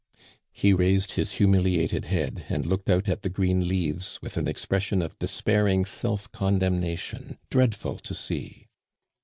He raised his humiliated head, and looked out at the green leaves, with an expression of despairing self condemnation dreadful to see.